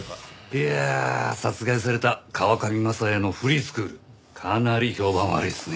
いやあ殺害された河上昌也のフリースクールかなり評判悪いですね。